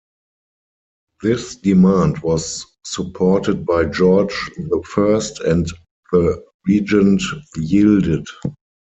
This demand was supported by George the First and the regent yielded.